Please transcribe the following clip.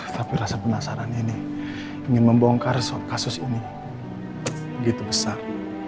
tapi rasa penasaran ini ingin membongkar kasus ini begitu besar